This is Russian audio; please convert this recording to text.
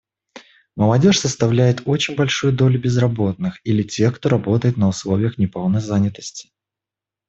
Молодежь составляет очень большую долю безработных или тех, кто работает на условиях неполной занятости.